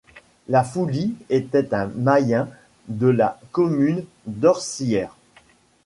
La Fouly était un mayen de la commune d'Orsières.